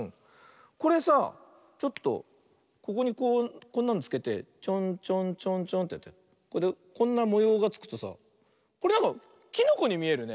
これさちょっとここにこんなのつけてチョンチョンチョンチョンってやってこんなもようがつくとさこれなんかキノコにみえるね。